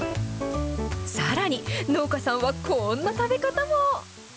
さらに、農家さんはこんな食べ方も。